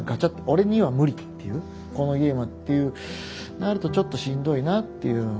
「俺には無理」っていう「このゲームは」っていうなるとちょっとしんどいなっていう。